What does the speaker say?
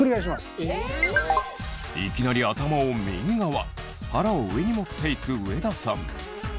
いきなり頭を右側腹を上に持っていく上田さん。